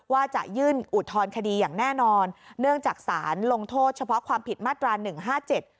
ว่าจะยื่นอุทธรณคดีอย่างแน่นอนเนื่องจากสารลงโทษเฉพาะความผิดมาตราหนึ่งห้าเจ็ด